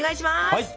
はい！